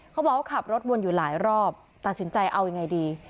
เขาบอกว่าขับรถวนอยู่หลายรอบตัดสินใจเอายังไงดี